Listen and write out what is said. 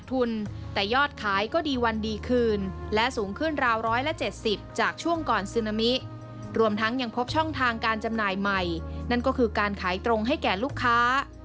แต่ยอดขายก็ดีวันดีคืนและสูงขึ้นราว๑๗๐จากช่วงก่อนซึนามิรวมทั้งยังพบช่องทางการจำหน่ายใหม่นั่นก็คือการขายตรงให้แก่ลูกค้า